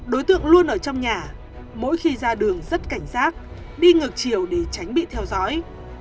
đối tượng luôn ở trong nhà mỗi khi ra đường rất cảnh giác đi ngược chiều để tránh bị theo dõi